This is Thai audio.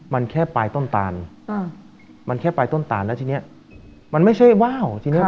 มันแค่ปลายต้นตาลมันแค่ปลายต้นตานแล้วทีนี้มันไม่ใช่ว่าวทีนี้